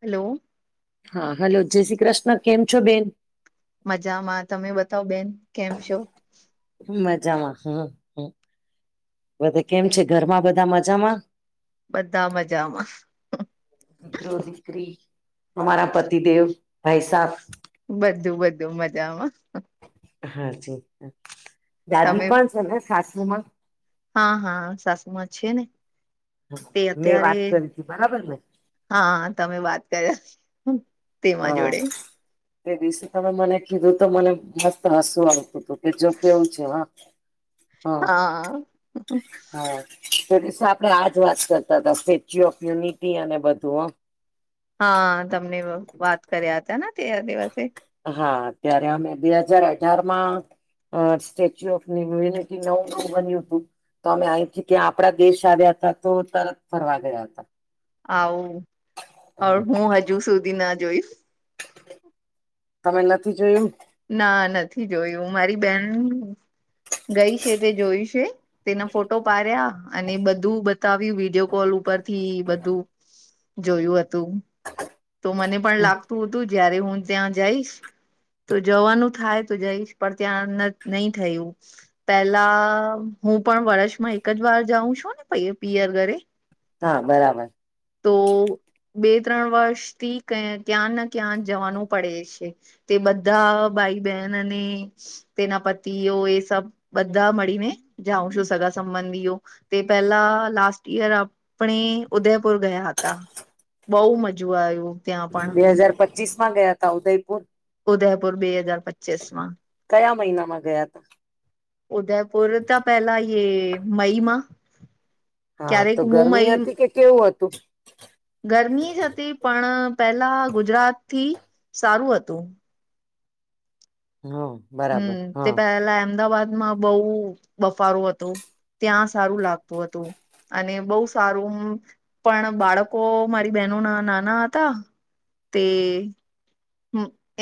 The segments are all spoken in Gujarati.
હેલો હા હલો જય શ્રી કૃષ્ણ કેમ છો, બેન મજામાં તમે બતાવ બેન કેમ છો. મજામાં હમ હ બધા કેમ છ, ઘરમાં બધા મજામા બધા મજામા દીકરો દીકરી અમારા પતિદેવ ભાઈ સાબ બધું બધું મજામા હા છે દાદી તમે પણ છેને, સાસુ મા હા હા સાસુમા છે ને તે મેં અત્યારે વાત કરી હતી બરાબર ને હા તમે વાત કર્યા તેમાં જોડે એ વિશે તમે મને કીધું તો મને મસ્ત હસવું આવતું હતું કે જો કેવું છે હા હા હા તો દીસે આપડે આજ વાત કરતા હતા સ્ટેચ્યુ ઓફ યુનિટી અને બધું હ હા તમને વાત કર્યા હતા ને તે દિવસે હા અત્યારે અમે બે હજાર અઢારમાં આ સ્ટેચ્યુ ઓફ યુનિટી નવુ બન્યું તુ તો અમે અહીથી કે આપડા દેશ આવ્યા હતા તો તરત ફરવા ગયા હતા. હમ આવું હું હજુ સુધી ના જોયું. તમે નથી જોયું? ના નથી જોયું મારી બેહેન ગઈ છે તે જોયું છે. તેના ફોટો પાડ્યા અને બધું બતાવ્યું વિડીયો કોલ ઉપરથી બધું જોયું હતું તો મને પણ હમ. લાગતું હતું જયારે હું ત્યાં જઈશ તો જવાનું થાય તો જઈશ પણ ત્યાં નહી થયું. પેલા હું પણ વર્ષમાં એક જ વાર જાઉં છું ને પિ પિયર ઘરે હા બરાબર તો બે ત્રણ વર્ષ થી ક્યાં ના ક્યાં જવાનું પડે છે? તે બધા ભાઈ બહેન અને તેના પતિઓ એ સબ બધા મળીને જાઉં છું સગા સંબંધીઓ તે પેલા લાસ્ટ યર આપણે ઉદયપુર ગયા હતા. બઉ મજું આયુ. બે હજાર પચીસ માં ગયા તા ઉદયપુર? ઉદયપુર બે હજાર પચીસ માં કયા મહિનામાં ગયા હતા ઉદયપુર તા પેલા મઈ માં હા ક્યારેક તો હું ગરમી મઈ હતી કે કેવું હતું? ગરમી જ હતી પણ પેલા ગુજરાત થી સારું હતું. હમ હમ તે પેલા અમદાવાદમાં બહુ બફારો હતો. ત્યાં સારું લાગતું હતું. અને બહું સારું પણ બાળકો મારી બહેનો ના નાના હતા. તે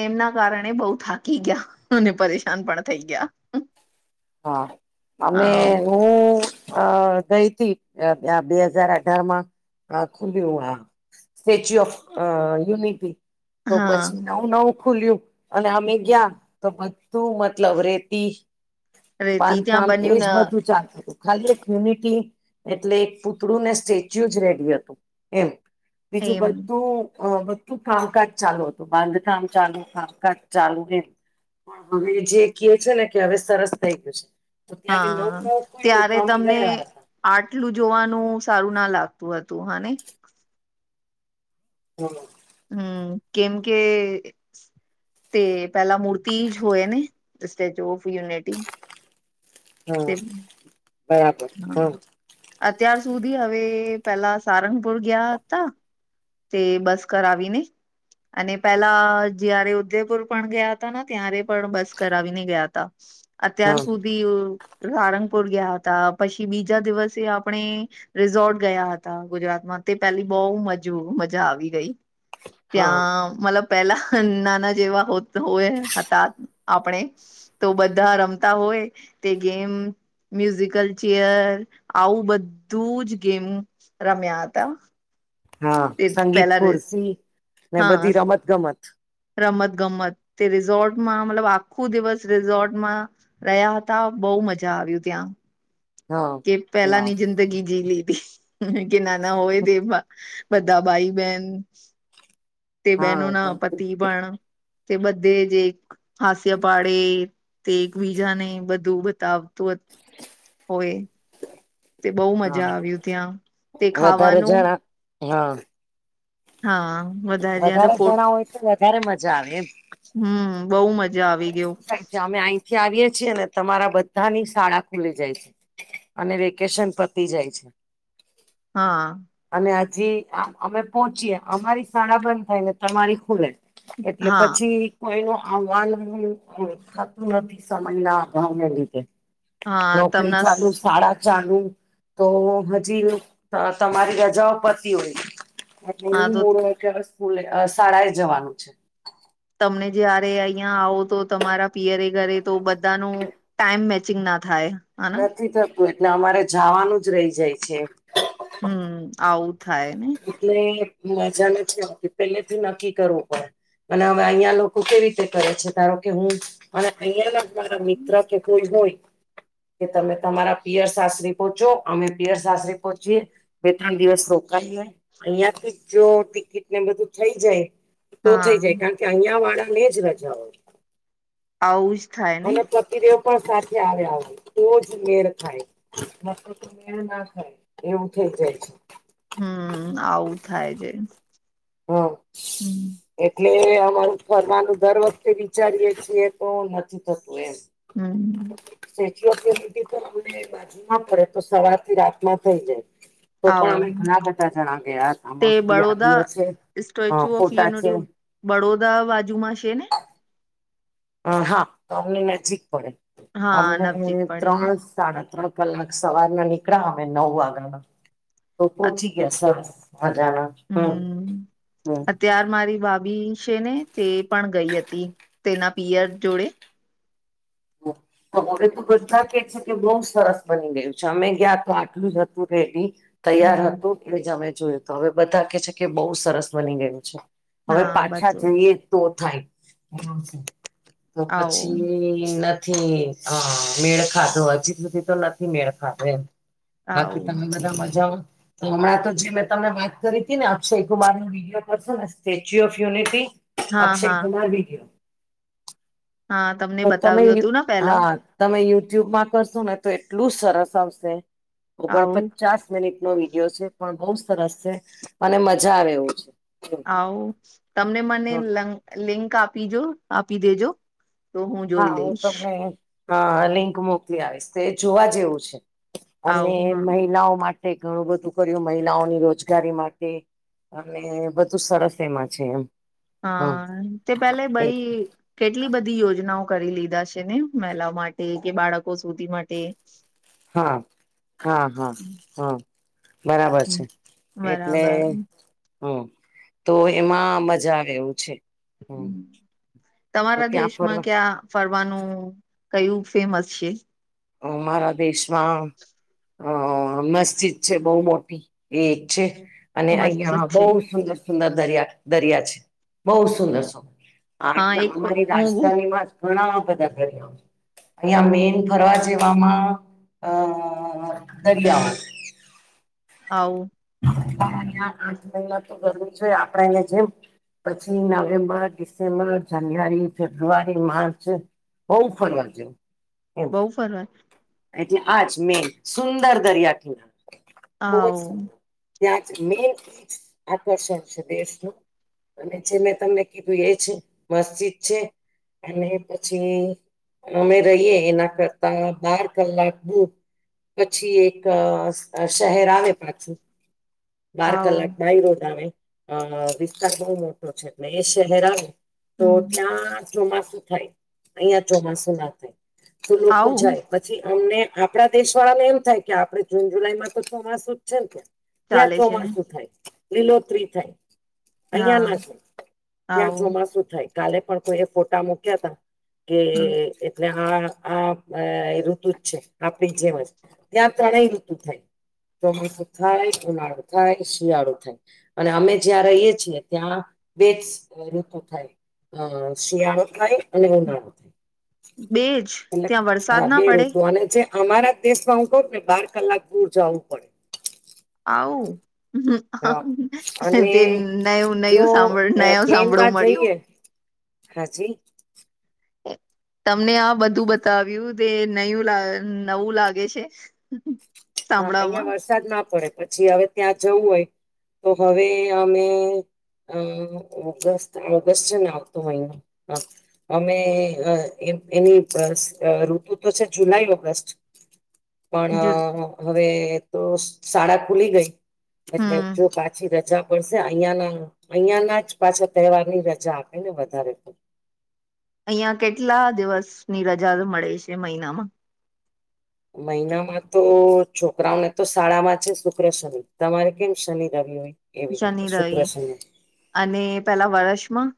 એમના કારણે બઉ થાકી ગયા, અને પરેશાન પણ થઈ ગયા. હા અમે હા હું અ ગઈ તી બે હજાર અઢાર માં આ ખુલ્યું હા સ્ટેચ્યુ ઓફ અ યુનિટી. તો હા પછી નવુ નવુ ખુલ્યું અને અમે ગયા તો બધું મતલબ રેતી રેતી ત્યાં બાંધકામ બન્યું એજ ન બધું ચાલું હતું. ખાલી એક યુનિટી એટલે એક પુતળું ને સ્ટેચ્યુ જ રેડી હતું એમ. બીજું એમ બધું અ તું કામકાજ ચાલુ હતું. બાંધકામ ચાલુ કામકાજ ચાલુ એમ હવે જે કહે છે ને કે હવે સરસ થઈ ગયું છે. તો ત્યારે નવુ હા નવુ ખુલ્યું તો ત્યારે અમે તમને ગયા હતા. આટલું જોવાનું સારું ના લાગતું હતું હા ને બોલો. હમમ કેમ કે તે પહેલા મૂર્તી જ હોય ને સ્ટેચુ ઓફ યુનિટી. તે હા. હા. અત્યાર સુધી હવે પેલા સારંગપુર ગીયા તા. તે બસ કરાવીને અને પેલા જયારે ઉદયપુર પણ ગીયા તા, ને ત્યારે પણ બસ કરાવીને ગીયા તા. અત્યાર હા સુધી પિયુ સારંગપુર ગીયા તા પછી બીજા દિવસે આપણે રિસોર્ટ ગયા હતા. ગુજરાતમાં તે પેલી બોવ મજા જો મજા આવી ગઈ. હા ત્યાં મતલબ પેલા નાના જેવા હો વે હતા આપણે તો બધા રમતા હોય તે ગેમ મ્યુઝિકલ ચેયર આવું બધું જ ગેમ રમ્યા હતા. હા તે સંગીત પેલા ખુરસી ને હા બધી રમત - ગમત રમત - ગમત તે રિસોર્ટમાં મતલબ આખું દિવસ રિસોર્ટમાં રયા હોતા બો મજા આવી ત્યાં હા કે હા પેલાની જિંદગી જીવી લીધી કે નાના હોય તેવા બધા ભાઈ- બહેન તે હા બહેનો ના પતિ પણ તે બધે જ એક હાસ્ય પાડી તે એકબીજાને બધું બતાવતું હતું. હોય તે બો મજા આવ્યું ત્યાં તે વધારે ખાવાનું જણા હા. હા. ત્યાં તો વધારે જણા હોય તો વધારે મજા આવે એમ. હમમ બઉ મજા આવી અમારે શુ ગયું થાય છે અમે અહીંથી આવીએ છીએ ને તમારા બધાની શાળા ખુલી જાય છે. અને વેકેશન પતી જાય છે. હા. અને હજી અ અમે પોહોચીએ અમારી શાળા બંધ થાયને તમારી ખુલે. એટલે હા પછી કોઈ વાર આવુ [unintelligible] થતું નથી સમય ના અભાવને લીધે હા નોકરી તમના ચાલુ, શાળા ચાલુ તો હજી તમારી રજાઓ પતી હોય. એટલે હા ઈ તો મોર્ય મૂળ કે સ્કૂલે શાળા એ જવાનું છે. તમને જ્યારે અહિયાં આવો તો તમારા પિયરે ઘરે તો બધાનું ટાઈમ મેચિંગ ના થાય. હને નથી થતું એટલે અમારે જાવાનું જ રહી જાય છે. હમમ આવું થાય ને. એટલે મજા નથી આવતી પેલેથી નક્કી કરવું પડે. પણ હવે અહિયાં લોકો કેવી રીતે કરે છે ધારો કે હું જ મારા અહંયા મારા મિત્ર કે કોઈ હોય કે તમે તમારા પિયર સાસરી પહોચો અમે પિયર સાસરી પહોચીએ. બે ત્રણ દિવસ રોકાઈ એ અહિયાં થી જો ટિકિટ ને બધું થઇ જાય તો હા થઈ જાય કારણ કે અહિયાં વાળા ને જ રજા હોય આવું જ થાય ને [inaudible] મેળ ના થાય એવું થઈ જાય હમ આવું થાય છે હા હમ એટલે અમારું ફરવાનું દર વખતે વિચારીએ છીએ તો નથી થતું એમ હમ સ્ટેચ્યુ ઓફ યુનિટી તો બાજુમાં પડે તો સવાર થી રાતમાં થઇ જાય તો પણ અમે આવું ઘણા બધા જણા ગયા તે મસ્ત બડોદા યાદીઓ છે અ સ્ટેચ્યુ ઓફ ફોટા છે યુનિટી બડોદરા બાજુમાં છે ને અ હા તો અમને નજીક પડે હા અમને નજીક પડે ત્રણ સાડા ત્રણ કલાક સવાર ના નીકળા અમે નવ વાગના તો પહોંચી ગયા સરસ હજાના હમ અત્યાર મારી ભાભી છે ને તે પણ ગઈ હતી તેના પીયર જોડે હ હવે તો બધા કે છે કે બહુ સરસ બની ગયું છે અમે ગયા તો આટલું જ હતું રેડી તૈયાર હમ હતું કે જ અમે જોયું તો હવે બધા કે છે કે બહુ સરસ બની ગયું છે હવે હા પાછા બધું જઈએ તો થાય તો આવો પછી ન નથી અ મેળ ખાધો હજી સુધી તો નથી મેળ ખાધો એમ બાકી આવું તમે બધા મજામાં તો હમણાં તો જે મેં તમને વાત કરી હતી ને અક્ષય કુમાર નું વિડીયો પર છે ને સ્ટેચ્યુ ઓફ યુનિટી હા અક્ષય હા કુમાર વીડિયો હા તમને તો તમે બતાવ્યું હતું ને પેલા હા તમે યુટ્યુબમાં કરશો ને તો એટલું સરસ આવશે આવું ઓગણપચાસ મિનિટ નો વિડીયો છે પણ બઉ સરસ છે અને મજા આવે એવું છે હાઉ તમને મનેં લિંક આપીજો આપી દેજો તો જોઈ હા હું લઈશ તમને હા લિંક મોકલી આવીશ તે જોવા જેવું છે અને આવું હા મહિલાઓ મા ટે ઘણું બધું કર્યું મહિલાઓની રોજગારી માટે અને બધું સરસ એમાં છે એમ હા તે પેલે બઈ કેટલી બધી યોજનાઓ કરી લીધા છે ને મહિલાઓ માટે કે બાળકો સુધી માટે હા હા હા હા બરાબર છે એટલે બરાબર હમ તો એમાં મજા આવે એવું છે હમ તો તમારા ત્યાં દેશમાં ફરવા ક્યાં ફરવાનું કયું ફેમસ છે મારા દેશમાં અ મસ્જિદ છે બહુ મોટી એક છે. અને મસ્ત અહિયાં બઉ છે સુંદર સુંદર દરિયા દરિયા છે બઉ સુંદર સું‌ હા આટલા એક અમારી હું રાજધાનીમાં ઘણા બધા દરિયાઓ છે અહિયાં મેન ફરવા જેવામાં અ દરિયાઓ [unintelligible] પાંચ મહિના તો ગરમી છે આપણેે એને જેમ પછી November, December, January, February, March [unintelligible] બહુ ફરવા [unintelligible] સુંદર [inaudible] ત્યાં જ મેન એ આકર્ષણ છે દેશનું અને જે મેં તમને કીધું એ છે મસ્જિદ છે અને પછી અમે રહીએ એના કરતા બાર કલાક દુર પછી એક શહેર આવે પાછું. બાર આવ કલાક બાય રોડ આવે અ વિસ્તાર બહુ મોટો છે એટલે એ શહેર આવે. તો હમ ત્યાં ચોમાસું થાય અહિયાં ચોમાસું ના થાય. તો લોકો આવું જાય. પછી અમને આપણા દેશ વાળા ને એમ થાય કે આપણે જૂન જુલાઈમાં તો ચોમાસું જ છે ન કે ત્યાં ચાલે છે ને ચોમાસુ થાય લિલોતરી થાય. હા અહીયાના જ ત્યાં આવું ચોમાસું થાય કાલે પણ કોઈ ફોટા મુક્યા તા કે હા એટલે આ આ ઋતુજ છે આપડી જેમ જ ત્યાં ત્રણેય ઋતુ થાય. ચોમાસું થાય, ઉનાળો થાય, શિયાળો થાય. અને અમે જ્યાં રહીએ છીએ ત્યાં બે જ ઋતુ થાય. અ શિયાળો થાય અને ઉનાળો થાય. બેજ ત્યાં વરસાદ એટલે ના બે પડે ઋતુ [unintelligible] અમારા દેશમાં હું કહું ને બાર કલાક દુર જવું પડે. આઉ હા અને જો પ્લેનમાં [unintelligible] [inaudible] તમને આ બધું બતાવ્યું તે નયું નવું લાગે છે. [inaudible] હા અહિયાં સાંભળામાં વરસાદ ના પડે પછી હવે ત્યાં જવું હોય તો હવે અમે અ ઓગસ્ટ ઓગસ્ટને આવતો [unintelligible] અમે એ એની ઋતુ તો છે જુલાઈ ઓગસ્ટ પણ જો હવે તો શાળા ખુલી ગઈ એટલે જો હમ પાછી રજા પડશે અહિયા ના અહિયાં ના જ પાછા તહેવાર ની રજા આપે ને વધારે તો અહિયાં કેટલા દિવસ ની રજા મળે છે મહિનામાં? મહિનામાં તો છોકરાઓને તો શાળામાં છે શુક્ર - શનિ તમારે કેમ શનિ- રવિ હોય. એવી રીતે શનિ શુક્ર રવિ શનિ અને પેલા વર્ષમાં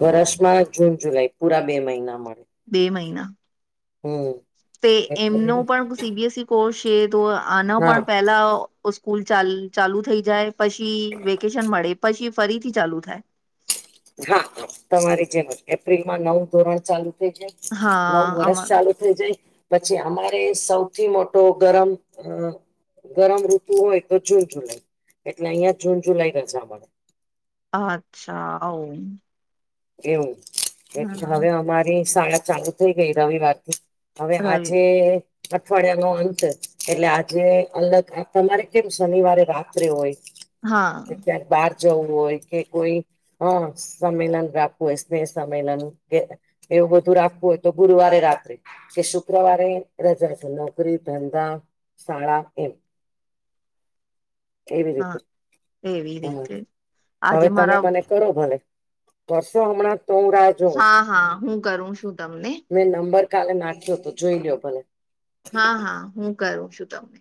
વર્ષમાં જૂન જુલાઈ પૂરા બે મહિના મળે. બે મહિના. [inaudible] તે એટલે એમનો પણ સીબીએસઇ કોર્સ છે તો આનો હા પણ પેલા સ્કૂલ ચા ચાલુ થઈ જાય પછી વેકેશન મળે પછી ફરીથી ચાલુ થાય. હા તમારી જેમ એપ્રિલમાં નવું ધોરણ ચાલુ થઈ જાય નવું હા વર્ષ અમાર ચાલુ. થઈ જાય પછી અમારે સૌથી મોટો ગરમ ગરમ ઋતુ હોય તો જૂન જુલાઈ એટલે અહિયાં જૂન જુલાઈ રજા મળે. અચ્છા આઉં એવું એટલે હવે અમારી શાળા ચાલુ થઈ ગઈ રવિવારથી હવે રવિ આજે અઠવાડિયા નો અંત એટલે આજે અલગ આ તમારે કેમ શનિવારે રાત્રે હોય કે હા ક્યાંક બહાર જવું હોય કે કોઈ હ સંમેલન રાખવું હોય સ્નેહ સંમેલન એવું બધું રાખવું હોય તો ગુરુવારે રાત્રે કે શુક્રવારે રજા છે નોકરી ધંધા શાળા એમ એવી હા રીતે એવી હમ્મ રીતે હવે આજે તમે મારા મને કરો ભલે પરસો હમણાં તો હ રાત હા હા હું કરું છું તમને મેં નંબર કાલે નાખ્યો હતો જોઈ લો્યો ભલે હા હા હું કરું છું તમને